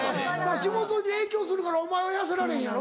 仕事に影響するからお前は痩せられへんやろ？